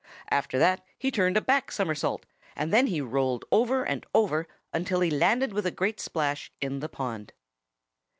After that he turned a back somersault, and then he rolled over and over until he landed with a great splash in the pond.